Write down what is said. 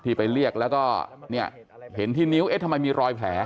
ไปเรียกแล้วก็เนี่ยเห็นที่นิ้วเอ๊ะทำไมมีรอยแผล